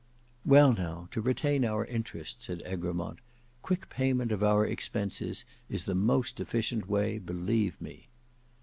"Well now, to retain our interest," said Egremont, "quick payment of our expenses is the most efficient way, believe me."